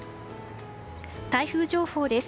台風情報です。